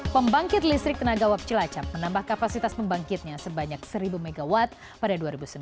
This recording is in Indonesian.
pembangkit listrik tenaga uap cilacap menambah kapasitas pembangkitnya sebanyak seribu mw pada dua ribu sembilan